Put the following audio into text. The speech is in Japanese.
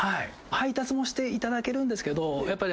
配達もしていただけるんですけどやっぱり。